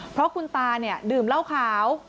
เพราะคุณตาเนี่ยดื่มเหล้าขาว